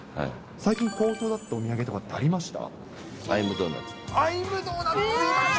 最近、好評だったお土産とかってありました？